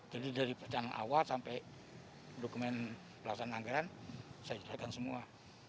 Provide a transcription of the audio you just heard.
jadi dari percanaan awal sampai dokumen pelaksanaan anggaran saya jelaskan semua